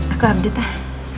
aku update lah